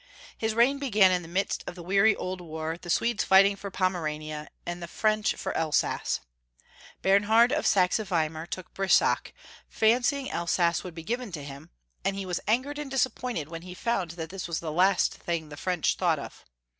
His reign began in the midst of the weary old war, the Swedes fighting for Pomerania, and the French for Elsass. Bernhard of Saxe Weimer took Brisach, fancying Elsass would be given to him, and he was angered and disappointed when he found this was the last thing the French thought of.